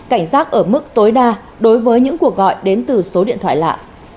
cảnh giác ở mức tối đa đối với những cuộc gọi đến từ số điện thoại lạ